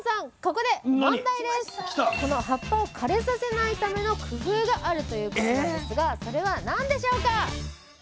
この葉っぱを枯れさせないための工夫があるということなんですがそれは何でしょうか？